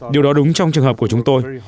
điều đó đúng trong trường hợp của chúng tôi